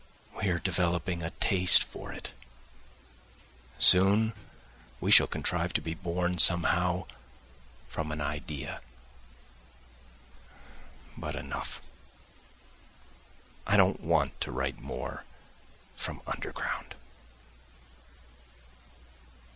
We are developing a taste for it. Soon we shall contrive to be born somehow from an idea. But enough; I don't want to write more from "Underground."